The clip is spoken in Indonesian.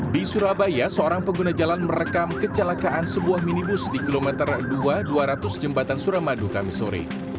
di surabaya seorang pengguna jalan merekam kecelakaan sebuah minibus di kilometer dua dua ratus jembatan suramadu kami sore